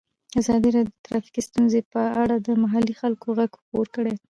ازادي راډیو د ټرافیکي ستونزې په اړه د محلي خلکو غږ خپور کړی.